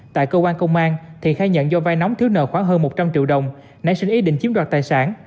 tại cơ quan công an thiện khai nhận do vai nóng thiếu nợ khoảng hơn một trăm linh triệu đồng nảy sinh ý định chiếm đoạt tài sản